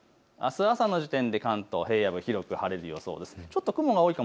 あす朝の時点で関東、平野部、広く晴れる予想です。